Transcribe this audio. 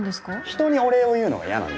人にお礼を言うのが嫌なんだよ